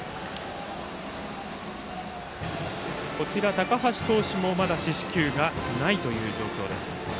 高橋投手もまだ四死球がないという状況です。